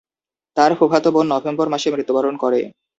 তার ফুফাতো বোন নভেম্বর মাসে মৃত্যুবরণ করে।